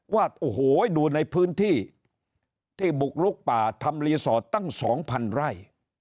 ว่าโอ้โหดูในพื้นที่ที่บุกลุกป่าทำรีสอร์ทตั้ง๒๐๐ไร่